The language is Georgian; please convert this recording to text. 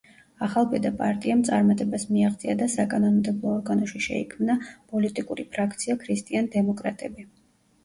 ახალბედა პარტიამ წარმატებას მიაღწია და საკანონმდებლო ორგანოში შეიქმნა პოლიტიკური ფრაქცია „ქრისტიან-დემოკრატები“.